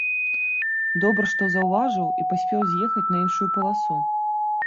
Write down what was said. Добра, што заўважыў і паспеў з'ехаць на іншую паласу.